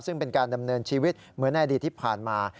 ซึ่งเป็นการดำเนินชีวิตเหมือนในอดีตที่ผ่านมา